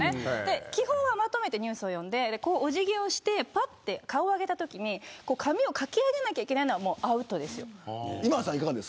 基本はまとめてニュースを読んでお辞儀をしてぱっと顔を上げたときに髪をかき上げなきゃいけないのはアウトなんです。